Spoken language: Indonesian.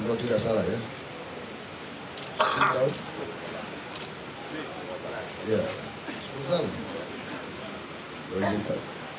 kalau tidak salah ya